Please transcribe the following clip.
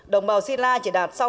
đồng bào silla chỉ đạt sáu mươi một hai